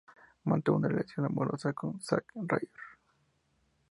Mantuvo una relación amorosa con Zack Ryder.